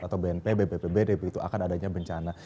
atau bnp bppb begitu akan adanya bencana